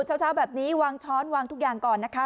เช้าแบบนี้วางช้อนวางทุกอย่างก่อนนะคะ